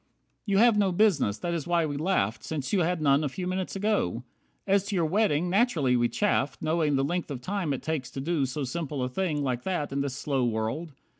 55 You have no business, that is why we laughed, Since you had none a few minutes ago. As to your wedding, naturally we chaffed, Knowing the length of time it takes to do A simple thing like that in this slow world.